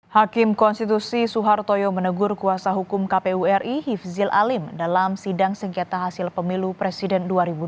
hakim konstitusi suhartoyo menegur kuasa hukum kpu ri hifzil alim dalam sidang sengketa hasil pemilu presiden dua ribu dua puluh